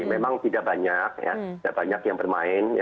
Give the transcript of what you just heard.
memang tidak banyak ya tidak banyak yang bermain